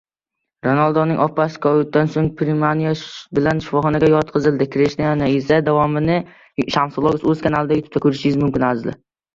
Ronalduning opasi koviddan so‘ng pnevmoniya bilan shifoxonaga yotqizildi. Krishtianu esa...